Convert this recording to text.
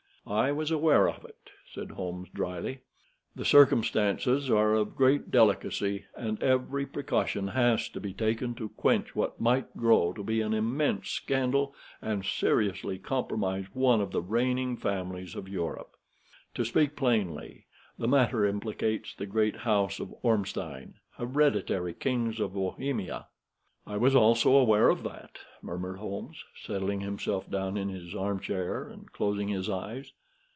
"I was aware of it," said Holmes, dryly. "The circumstances are of great delicacy, and every precaution has to be taken to quench what might grow to be an immense scandal, and seriously compromise one of the reigning families of Europe. To speak plainly, the matter implicates the great House of Ormstein, hereditary kings of Bohemia." "I was also aware of that," murmured Holmes, settling himself down in his armchair, and closing his eyes.